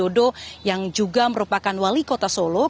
yang juga merupakan wali kota sulung yang juga merupakan wali kota sulung